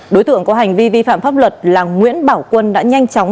đối tượng có hành vi vi phạm pháp luật là nguyễn bảo quân đã nhanh chóng